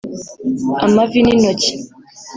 amavi n’intoki